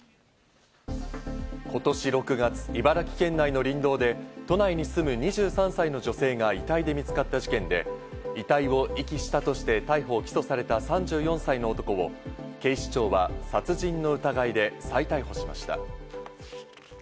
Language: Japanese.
今年６月、茨城県内の林道で都内に住む２３歳の女性が遺体で見つかった事件で、遺体を遺棄したとして逮捕・起訴された３４歳の男を警視庁は殺人の疑いで再逮捕しました。